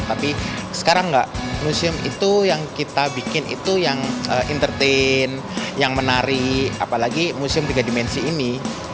tapi sekarang enggak museum itu yang kita bikin itu yang entertain yang menari apalagi museum tiga dimensi ini